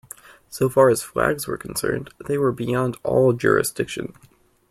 So far as flags were concerned, they were beyond all jurisdiction.